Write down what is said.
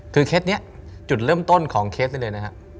คือเคสนี้จุดเริ่มต้นของเคสนี้เลยนะฮะ